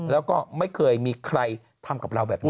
แล้วก็ไม่เคยมีใครทำกับเราแบบนี้